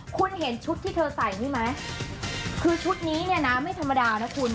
คุณเห็นชุดที่เธอใส่นี่ไหมคือชุดนี้เนี่ยนะไม่ธรรมดานะคุณ